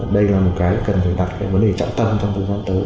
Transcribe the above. chúng ta cần phải đặt vấn đề trạng tầng trong cơ sở hạ tầng